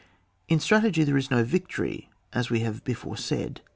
, In strategy there is no victory, as we have before said.